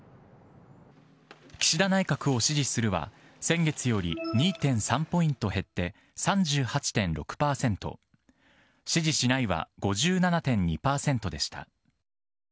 岸田内閣を支持するは、先月より２．３ポイント減って、３８．６％、支持しないは５７．２％でした。